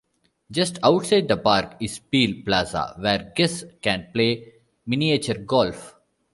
Just outside the park is Peel Plaza where guests can play Miniature Golf.